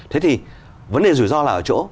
thế thì vấn đề rủi ro là ở chỗ